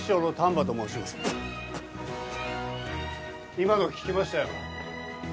今の聞きましたよ。